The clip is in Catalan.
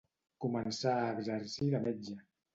Començà a exercir de metge.